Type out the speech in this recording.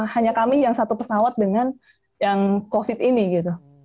hanya kami yang satu pesawat dengan yang covid ini gitu